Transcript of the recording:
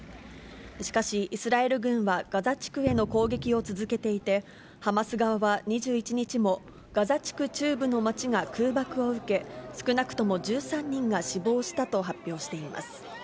しかし、イスラエル軍はガザ地区への攻撃を続けていて、ハマス側は２１日も、ガザ地区中部の町が空爆を受け、少なくとも１３人が死亡したと発表しています。